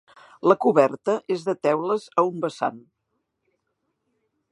La coberta és de teules a un vessant.